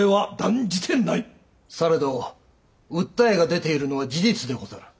されど訴えが出ているのは事実でござる。